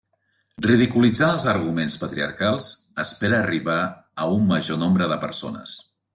Ridiculitzant els arguments patriarcals espera arribar a un major nombre de persones.